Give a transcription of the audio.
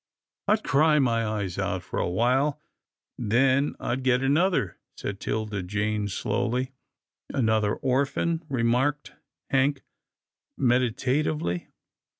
"" I'd cry my eyes out for a while, then I'd get another," said 'Tilda Jane slowly. " Another orphan," remarked Hank, medita tively.